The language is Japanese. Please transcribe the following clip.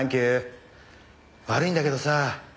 悪いんだけどさ